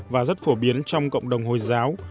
và rất phổ biến trong cộng đồng hồi giáo